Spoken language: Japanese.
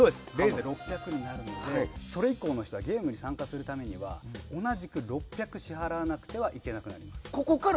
６００になるのでそれ以降の人がゲームに参加するには同じく６００支払わなくてはいけなくなります。